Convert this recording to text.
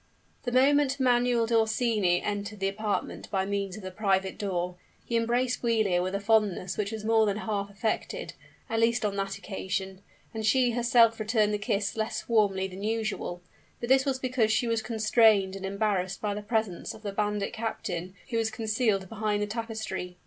The moment Manuel d'Orsini entered the apartment by means of the private door, he embraced Giulia with a fondness which was more than half affected at least on that occasion and she herself returned the kiss less warmly than usual but this was because she was constrained and embarrassed by the presence of the bandit captain, who was concealed behind the tapestry.